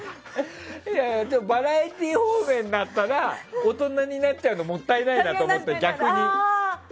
バラエティー方面だったら大人になっちゃうのもったいないなと思うかな、逆に。